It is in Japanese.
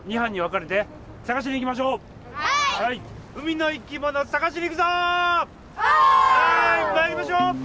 はい参りましょう。